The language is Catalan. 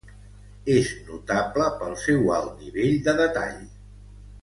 És notable pel seu alt nivell de detall.